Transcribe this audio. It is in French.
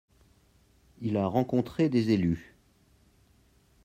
Il a rencontré des élus.